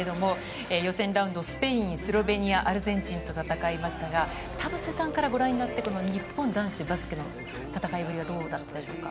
予選ラウンド、スペイン、スロベニア、アルゼンチンと戦いましたが、田臥さんからご覧になって日本男子バスケの戦いぶりはどうですか？